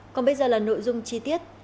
còn bây giờ là nội dung chi tiết